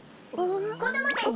こどもたち！